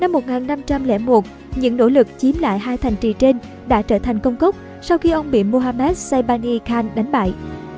năm một nghìn năm trăm linh một những nỗ lực chiếm lại hai thành trì trên đã trở thành công cốc sau khi ông bị mohamed saybani khan đánh bại